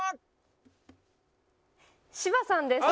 芝さんです。